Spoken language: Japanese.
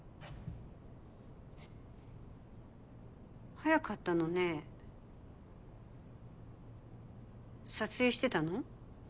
早かったのね撮影してたの？